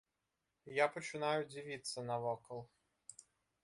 Я пачынаю дзівіцца навокал.